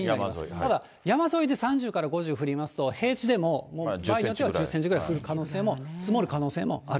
ただ、山沿いで３０から５０降りますと、平地でももう場合によっては１０センチぐらい降る可能性も、積もる可能性もある。